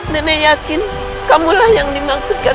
nenek yakin kamulah yang dimaksudkan